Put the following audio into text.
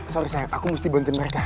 maaf sayang aku harus boncin mereka